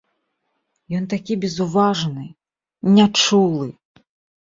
Ён такі безуважны, нячулы.